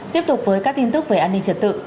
tiếp tục với các tin tức về an ninh trật tự